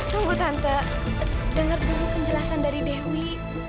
tunggu tante dengar dulu penjelasan dari dewi